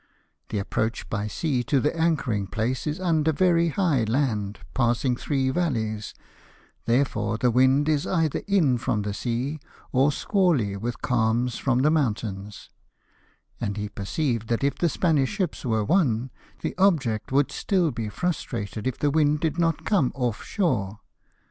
The approach by sea to the anchoring place is under very high land, passing three valleys ; therefore the wind is either in from the sea, or squally with calms from the mountains ;" and he perceived that if the Spanish ships were won, the object would still be frustrated if the wind did not come off shore.